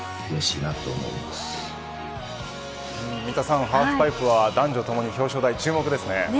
三田さんハーフパイプは男女ともに表彰台注目ですね。